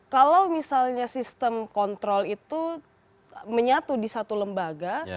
kalau misalnya sistem kontrol itu menyatu di satu lembaga